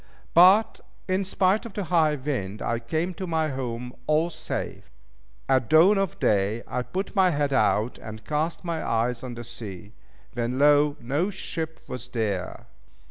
But in spite of the high wind, I came to my home all safe. At dawn of day I put my head out, and cast my eyes on the sea. When lo! no ship was there!